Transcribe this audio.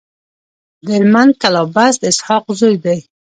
د هلمند کلابست د اسحق زو دی.